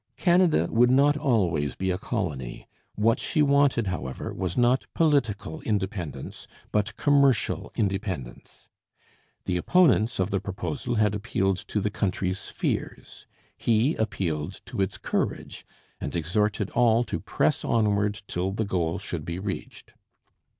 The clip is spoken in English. Canada would not always be a colony; what she wanted, however, was not political independence, but commercial independence. The opponents of the proposal had appealed to the country's fears; he appealed to its courage, and exhorted all to press onward till the goal should be reached.